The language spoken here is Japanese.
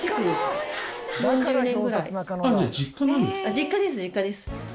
実家です実家です。